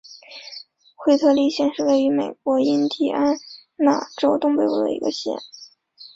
惠特利县是位于美国印第安纳州东北部的一个县。